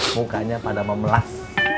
mukanya pada memelas